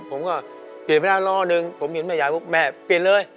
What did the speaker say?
ผมก็เปลี่ยนไปได้ล่อหนึ่งผมเห็นแม่ยายปุ๊บแม่เปลี่ยนเลย